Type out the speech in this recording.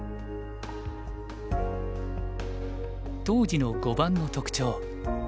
当時の碁盤の特徴